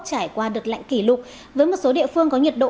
trải qua đợt lạnh kỷ lục với một số địa phương có nhiệt độ